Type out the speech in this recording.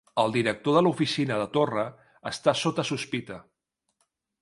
El director de l'Oficina de Torra està sota sospita